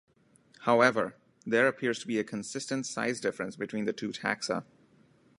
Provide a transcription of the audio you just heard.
However, there appears to be a consistent size difference between the two taxa.